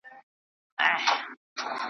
خو زموږ پر کلي د غمونو بارانونه اوري .